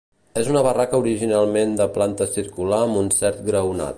És una barraca originalment de planta circular amb un cert graonat.